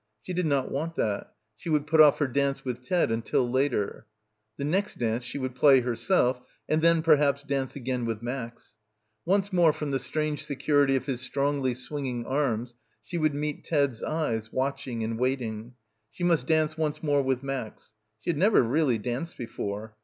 She did not want that. She would put off her dance with Ted until later. The next dance she would play herself and then perhaps dance again with Max. Once more from the strange security of his — 61 — PILGRIMAGE strongly swinging arms she would meet Ted's eyes, watching and waiting. She must dance once more with Max. She had never really danced before.